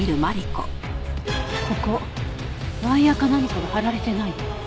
ここワイヤか何かが張られてない？